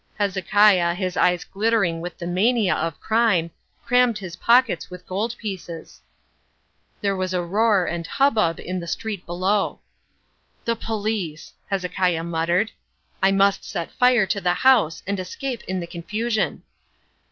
Hezekiah, his eyes glittering with the mania of crime, crammed his pockets with gold pieces. There was a roar and hubbub in the street below. "The police!" Hezekiah muttered. "I must set fire to the house and escape in the confusion."